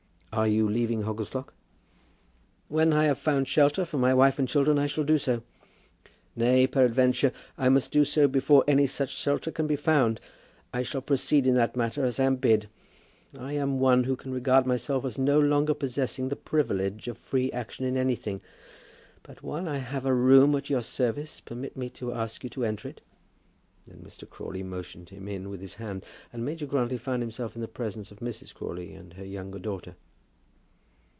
"And are you leaving Hogglestock?" "When I have found a shelter for my wife and children I shall do so; nay, peradventure, I must do so before any such shelter can be found. I shall proceed in that matter as I am bid. I am one who can regard myself as no longer possessing the privilege of free action in anything. But while I have a room at your service, permit me to ask you to enter it." Then Mr. Crawley motioned him in with his hand, and Major Grantly found himself in the presence of Mrs. Crawley and her younger daughter.